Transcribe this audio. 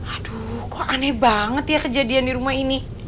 aduh kok aneh banget ya kejadian di rumah ini